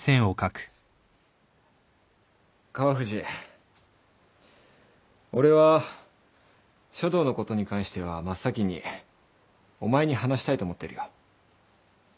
川藤俺は書道のことに関しては真っ先にお前に話したいと思ってるよ。